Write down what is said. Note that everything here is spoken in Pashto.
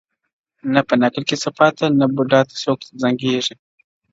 نه په نکل کي څه پاته نه بوډا ته څوک زنګیږي.!